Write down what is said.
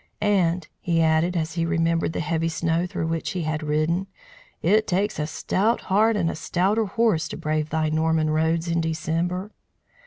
And," he added, as he remembered the heavy snow through which he had ridden, "it takes a stout heart and a stouter horse to brave thy Norman roads in December!"